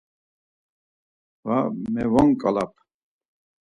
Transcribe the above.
Va mevonkalap.